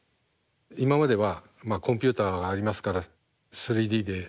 今まではコンピューターがありますから３Ｄでやれますけれども今。